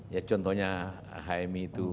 ya contohnya hmi itu